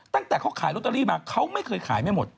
ตั้งแต่เขาขายลอตเตอรี่มาเขาไม่เคยขายไม่หมด